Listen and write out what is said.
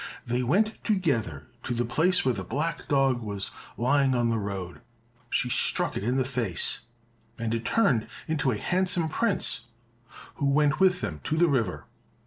They went together to the place where the black dog was lying on the road; she struck it in the face, and it turned into a handsome prince who went with them to the river.